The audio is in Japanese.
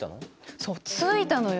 そうついたのよ。